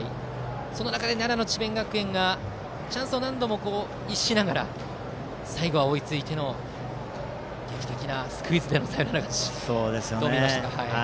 その中で奈良の智弁学園がチャンスを何度も逸しながら最後は追いついての劇的なスクイズでのサヨナラ勝ち。